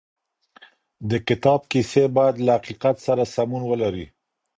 د کتاب کيسې بايد له حقيقت سره سمون ولري.